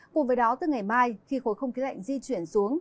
cùng với đó từ ngày mai khi khối không khí lạnh di chuyển xuống